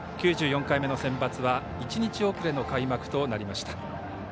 ９４回目のセンバツは１日遅れの開幕となりました。